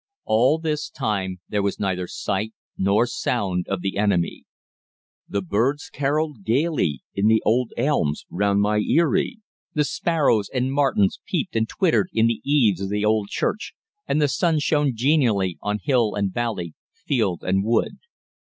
All this time there was neither sight nor sound of the enemy. The birds carolled gaily in the old elms round my eyrie, the sparrows and martins piped and twittered in the eaves of the old church, and the sun shone genially on hill and valley, field and wood.